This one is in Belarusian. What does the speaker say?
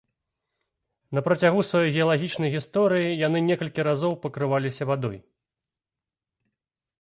На працягу сваёй геалагічнай гісторыі яны некалькі разоў пакрываліся вадой.